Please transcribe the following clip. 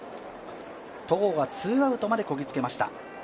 戸郷がツーアウトまでこぎ着けました。